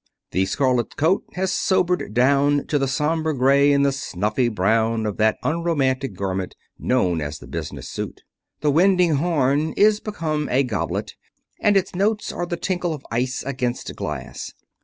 The scarlet coat has sobered down to the somber gray and the snuffy brown of that unromantic garment known as the business suit. The winding horn is become a goblet, and its notes are the tinkle of ice against glass.